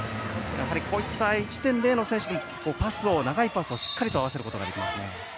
こうった１．０の選手も長いパスをしっかり合わせることができますね。